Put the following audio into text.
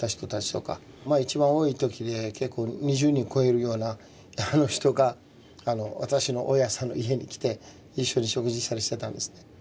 一番多い時で２０人超えるような人が私の大家さんの家に来て一緒に食事したりしてたんですね。